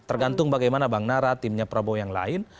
tergantung bagaimana bang nara timnya prabowo yang lain